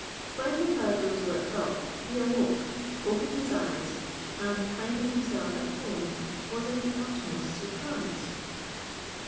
When the powder was worked off, he awoke, opened his eyes, and finding himself at home, was in the utmost surprise.